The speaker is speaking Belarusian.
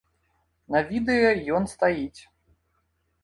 На відэа ён стаіць.